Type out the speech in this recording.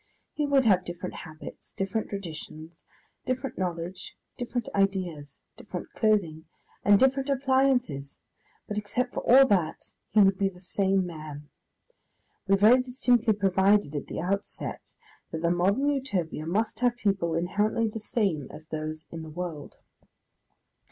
He would have different habits, different traditions, different knowledge, different ideas, different clothing, and different appliances, but, except for all that, he would be the same man. We very distinctly provided at the outset that the modern Utopia must have people inherently the same as those in the world.